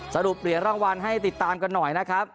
สรุปเหรียญรางวัลให้ติดตามกันหน่อยนะครับ